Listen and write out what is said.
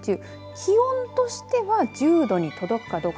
気温としては１０度に届くかどうか。